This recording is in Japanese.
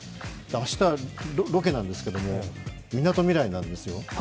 明日、ロケなんですけども、みなとみらいなんですよ。